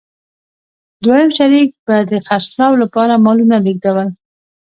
دویم شریک به د خرڅلاو لپاره مالونه لېږدول